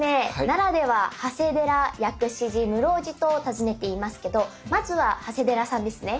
奈良では長谷寺薬師寺室生寺と訪ねていますけどまずは長谷寺さんですね。